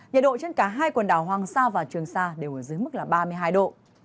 nhiệt độ trên cả hai quần đảo hoàng sa và trường sa đều ở dưới mức là ba mươi hai độ